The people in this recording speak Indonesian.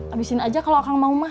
habisin aja kalau akang mau mah